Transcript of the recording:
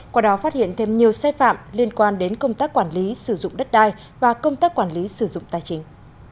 qua đó phát hiện thêm nhiều sai phạm liên quan đến công tác quản lý sử dụng đất đai và công tác quản lý sử dụng tài chính